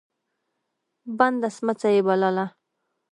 بنده سمڅه يې بلله.